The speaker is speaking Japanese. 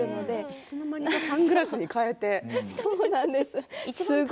いつの間にかサングラスに替えて。